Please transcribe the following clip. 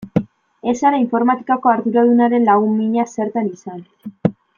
Ez zara informatikako arduradunaren lagun mina zertan izan.